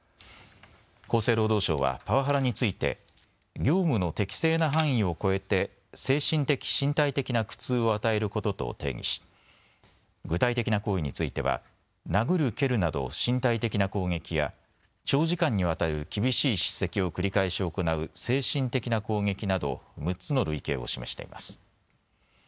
厚生労働省はパワハラについて業務の適正な範囲を超えて精神的・身体的な苦痛を与えることと定義し具体的な行為については殴る、蹴るなど身体的な攻撃や長時間にわたる厳しい叱責を繰り返し行う精神的な攻撃など６つの類型を示しています。